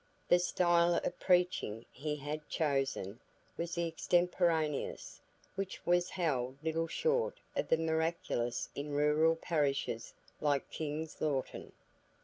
The style of preaching he had chosen was the extemporaneous, which was held little short of the miraculous in rural parishes like King's Lorton.